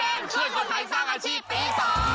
ช่วยคนไทยสร้างอาชีพปี๒